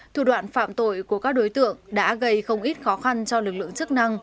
thủ đoạn phạm tội của các đối tượng đã gây không ít khó khăn cho lực lượng chức năng